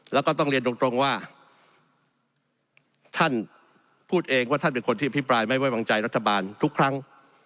แล้วก็ต้องเรียนตรงว่าท่านพูดเองว่าท่านเป็นคนที่อภิปรายไม่ไว้วางใจรัฐบาลทุกครั้ง